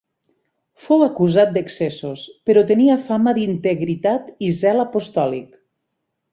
Fou acusat d'excessos, però tenia fama d'integritat i zel apostòlic.